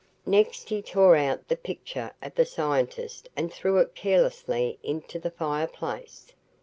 Next he tore out the picture of the scientist and threw it carelessly into the fireplace.